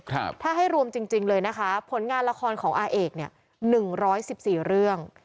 ครับถ้าให้รวมจริงเลยนะคะผลงานละครของอาเอกเนี่ย๑๑๔เรื่อง